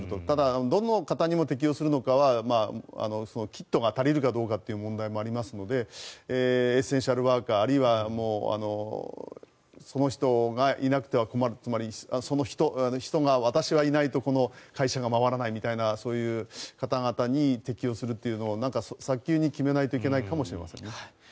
ただ、どの方にも適用するのかはキットが足りるかどうかという問題もありますのでエッセンシャルワーカーあるいはその人がいなくては困るつまり、その人がいないとこの会社が回らないみたいなそういう方々に適用するというのを早急に決めないといけないかもしれません。